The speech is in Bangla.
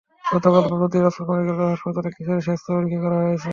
গতকাল বুধবার দিনাজপুর মেডিকেল কলেজ হাসপাতালে কিশোরীর স্বাস্থ্য পরীক্ষা করা হয়েছে।